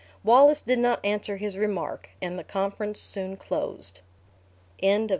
Wallace did not answer his remark, and the conference soon closed. Chapter XLII.